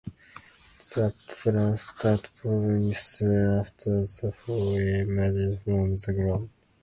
The plants start blooming soon after the foliage emerges from the ground.